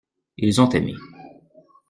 Ils ont aimé.